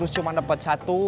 lima ratus cuma dapat satu